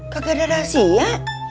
gak ada rahasia